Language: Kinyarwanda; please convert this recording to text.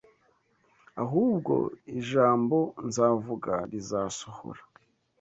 ahubwo ijambo nzavuga rizasohora